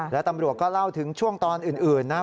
และตำรวจก็เล่าถึงช่วงตอนอื่นนะ